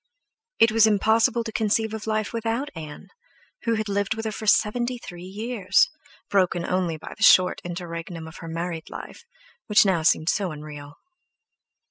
It was impossible to conceive of life without Ann, who had lived with her for seventy three years, broken only by the short interregnum of her married life, which seemed now so unreal.